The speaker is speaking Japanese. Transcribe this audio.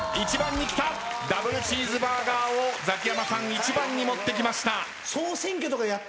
ダブルチーズバーガーをザキヤマさん１番に持ってきました。